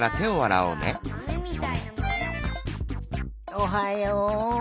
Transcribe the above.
おはよう。